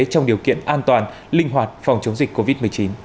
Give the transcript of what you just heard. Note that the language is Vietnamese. trong điều kiện an toàn linh hoạt phòng chống dịch covid một mươi chín